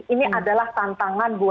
ini adalah tantangan